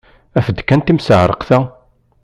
Af-d kan timseɛṛeqt-a!